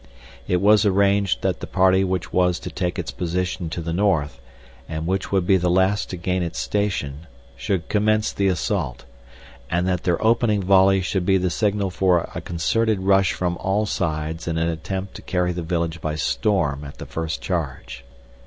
It was arranged that the party which was to take its position to the north, and which would be the last to gain its station should commence the assault, and that their opening volley should be the signal for a concerted rush from all sides in an attempt to carry the village by storm at the first charge.